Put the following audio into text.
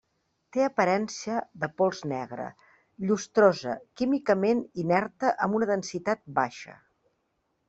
Té aparença de pols negra, llustrosa, químicament inerta amb una densitat baixa.